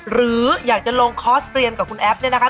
หรืออยากจะลงคอร์สเรียนกับคุณแอฟเนี่ยนะคะ